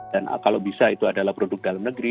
dan kalau bisa itu adalah produk dalam negeri